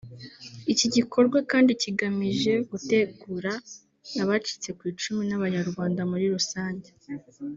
Iki gikorwa kandi kigamje gutegura abacitse ku icumu n’Abanyarwanda muri rusange